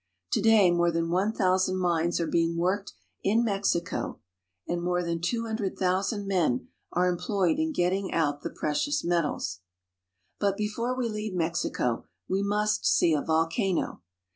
To day more than one thousand mines are being worked in Mexico, and more than two hundred thousand men are employed in getting out the precious metals. But before we leave Mexico we must see a volcano.